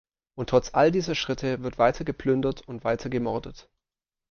Und trotz all dieser Schritte wird weiter geplündert und weiter gemordet.